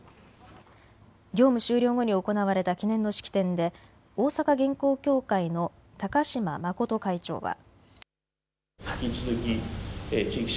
業務終了後に行われた記念の式典で大阪銀行協会の高島誠会長は。